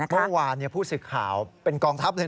เมื่อวานผู้สื่อข่าวเป็นกองทัพเลย